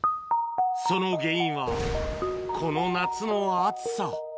その原因は、この夏の暑さ。